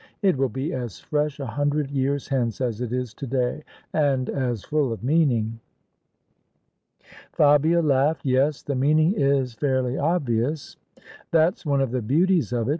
It will be as fresh a hundred years hence as it is today — and as full of meaning." Fabia laughed. " Yes : the meaning is fairly obvious." " That's one of the beauties of it.